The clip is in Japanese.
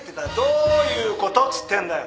どういうこと？っつってんだよ